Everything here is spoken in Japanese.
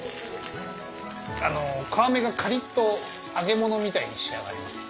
あの皮目がカリっと揚げ物みたいに仕上がります。